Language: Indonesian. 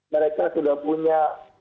mereka sudah punya